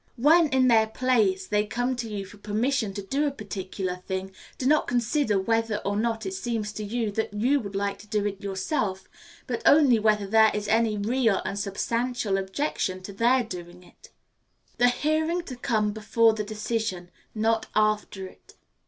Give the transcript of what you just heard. When, in their plays, they come to you for permission to do a particular thing, do not consider whether or not it seems to you that you would like to do it yourself, but only whether there is any real and substantial objection to their doing it. The Hearing to come before the Decision, not after it.